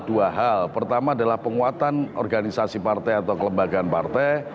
dua hal pertama adalah penguatan organisasi partai atau kelembagaan partai